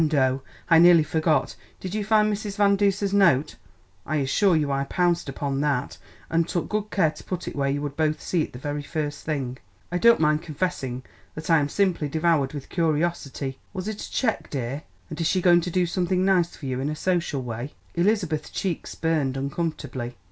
and oh! I nearly forgot, did you find Mrs. Van Duser's note? I assure you I pounced upon that, and took good care to put it where you would both see it the very first thing. I don't mind confessing that I am simply devoured with curiosity. Was it a cheque, dear? And is she going to do something nice for you in a social way?" Elizabeth's cheeks burned uncomfortably.